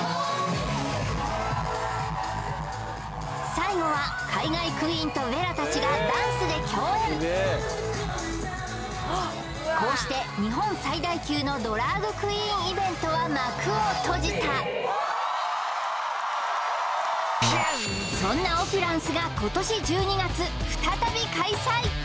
最後は海外クイーンとヴェラたちがダンスで共演こうして日本最大級のドラァグクイーンイベントは幕を閉じたそんなＯＰＵＬＥＮＣＥが今年１２月再び開催